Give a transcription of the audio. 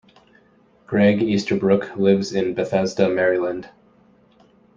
Gregg Easterbrook lives in Bethesda, Maryland.